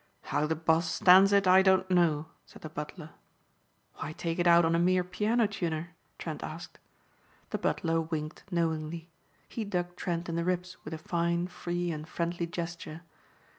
"How the boss stands it I don't know," said the butler. "Why take it out on a mere piano tuner?" Trent asked. The butler winked knowingly. He dug Trent in the ribs with a fine, free and friendly gesture.